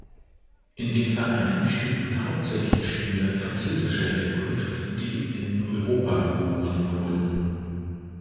In dem Verein spielten hauptsächlich Spieler französischer Herkunft die in Europa geboren wurden.